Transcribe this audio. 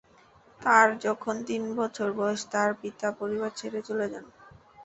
তার যখন তিন বছর বয়স, তার পিতা পরিবার ছেড়ে চলে যান।